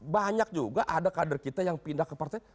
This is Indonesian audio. banyak juga ada kader kita yang pindah ke partai